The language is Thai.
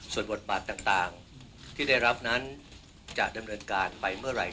ส่วนบทบาทต่างที่ได้รับนั้นจะดำเนินการไปเมื่อไหร่